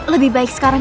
tak usah menjijikkan aku